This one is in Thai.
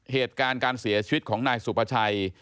เหตุการณ์การเสียชีวิตของนายสุภาชัย